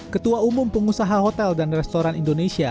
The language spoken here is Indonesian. ketua umum pengusaha hotel dan restoran indonesia